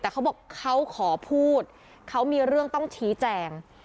แต่เขาบอกเขาขอพูดเขามีเรื่องต้องชี้แจง